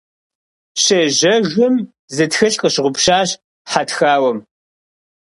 Щежьэжым, зы тхылъ къыщыгъупщащ хьэтхауэм.